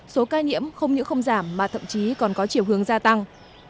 số ca nhiễm không những không giảm mà thậm chí còn có chiều hướng gia tăng